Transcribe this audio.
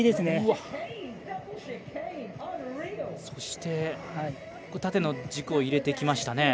そして、縦の軸を入れてきました。